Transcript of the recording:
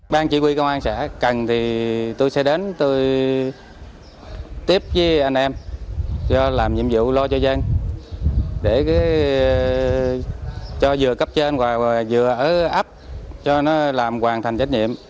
ban chỉ huy công an xã cần thì tôi sẽ đến tôi tiếp với anh em làm nhiệm vụ lo cho dân để cho vừa cấp trên và vừa ở ấp cho nó làm hoàn thành trách nhiệm